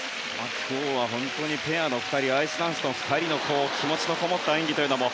今日はペアの２人アイスダンスの２人の気持ちのこもった演技も。